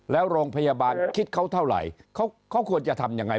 แล้วโรงพยาบาลคิดเขาเท่าไหร่เขาควรจะทำยังไง